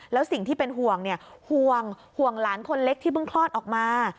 แล้วสิ่งที่เป็นห่วงห่วงหลานคนเล็กที่เพิ่งคลอดออกมา